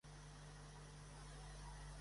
El nom és Quim: cu, u, i, ema.